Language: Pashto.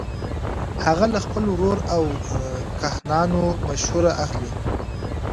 هغه له خپل ورور او کاهنانو مشوره اخلي.